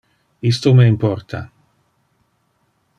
Isto me importa.